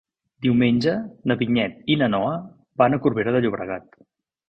Diumenge na Vinyet i na Noa van a Corbera de Llobregat.